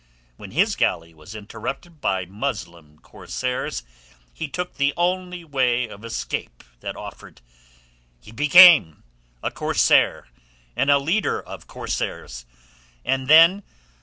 When his galley was captured by Muslim corsairs he took the only way of escape that offered. He became a corsair and a leader of corsairs, and then...."